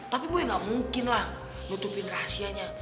tapi boy gak mungkinlah nutupin rahasianya